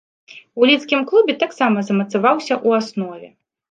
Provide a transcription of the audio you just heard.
У лідскім клубе таксама замацаваўся ў аснове.